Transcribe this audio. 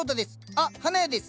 あっ花屋です。